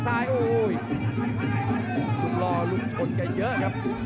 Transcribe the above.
ดุมรอลุ้มชนกันเยอะครับ